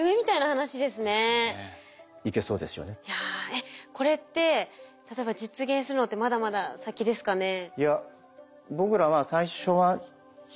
えっこれって例えば実現するのってまだまだ先ですかね？